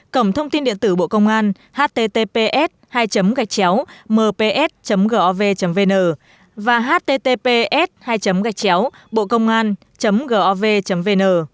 cổng thông tin điện tử bộ công an https hai gạch chéo mps gov vn và https hai gạch chéo bộcôngan gov vn